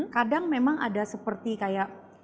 kadang memang ada seperti kayak insecure gitu loh ketika itu